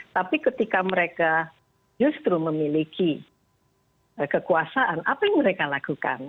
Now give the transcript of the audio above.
tapi ketika mereka justru memiliki kekuasaan apa yang mereka lakukan